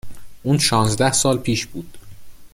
اون شانزده سال پیش بود